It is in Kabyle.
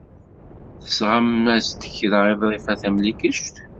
Tesɣam-as-d kra i Ḍrifa Tamlikect.